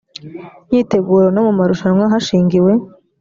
myiteguro no mu marushanwa hashingiwe